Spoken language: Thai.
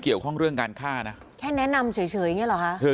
เกี่ยวข้องเรื่องการฆ่านะแกแนะนำเฉยเงี่ยหรอฮะเธอ